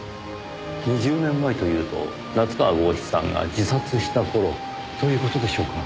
２０年前というと夏河郷士さんが自殺した頃という事でしょうか？